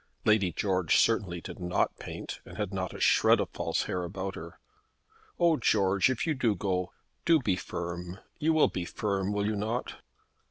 Lady George certainly did not paint, and had not a shred of false hair about her. "Oh, George, if you do go, do be firm! You will be firm; will you not?"